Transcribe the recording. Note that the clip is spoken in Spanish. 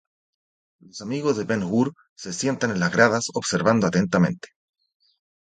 Los amigos de Ben hur se sientan en las gradas, observando atentamente.